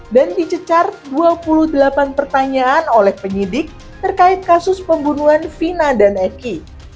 dan dicecar dua puluh delapan pertanyaan oleh penyidik terkait kasus pembunuhan vina dan eki